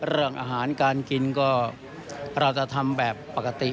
เรื่องอาหารการกินก็เราจะทำแบบปกติ